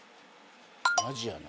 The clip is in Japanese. マジやな。